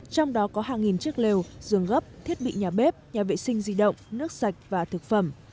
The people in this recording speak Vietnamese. trong đó có hàng nghìn chiếc lều giường gấp thiết bị nhà bếp nhà vệ sinh di động nước sạch và thực phẩm